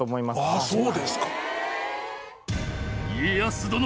ああそうですか。